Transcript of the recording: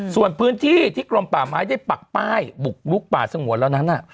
ส่วนพื้นที่ที่กรมป่าไม้ได้ปักป้ายบุกลุกป่าสงวนแล้วนั้น